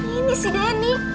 ini sih denny